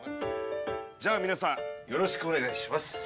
じゃあ皆さんよろしくお願いします。